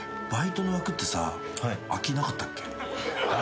バイトの枠ってさ空きなかったっけ？